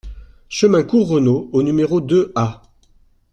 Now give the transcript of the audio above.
Chemin Cour Renaud au numéro deux A